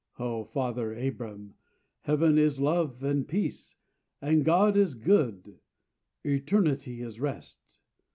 O Father Abram, heaven is love and peace, And God is good; eternity is rest.